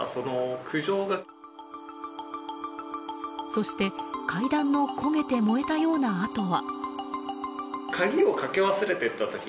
そして階段の焦げて燃えたような跡は。